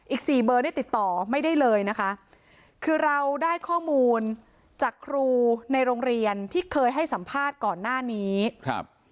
อีกสี่เบอร์ได้ติดต่อไม่ได้เลยนะคะคือเราได้ข้อมูลจากครูในโรงเรียนที่เคยให้สัมภาษณ์ก่อนหน้านี้ครับ